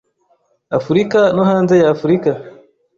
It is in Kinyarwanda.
Afurika no hanze y Afurika